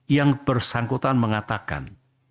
yang bersangkutan mengatakan